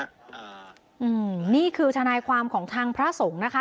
อืมนี่คือทนายความของทางพระสงฆ์นะคะ